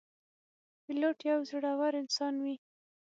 پیلوټ یو زړهور انسان وي.